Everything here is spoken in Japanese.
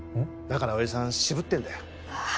だから親父さん渋ってんだようわー